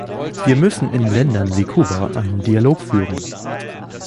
Wir müssen in Ländern wie Kuba einen Dialog führen.